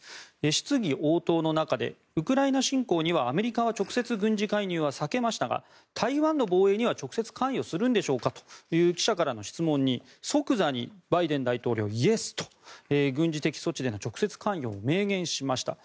質疑応答の中でウクライナ侵攻にはアメリカは直接軍事介入は避けましたが台湾の防衛には直接関与するんでしょうかという記者からの質問に即座にバイデン大統領はイエスと軍事的措置での直接関与を明言しました。